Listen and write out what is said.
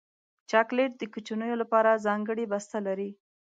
چاکلېټ د کوچنیو لپاره ځانګړی بسته لري.